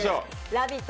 「ラヴィット！」